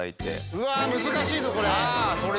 うわ難しいぞこれ！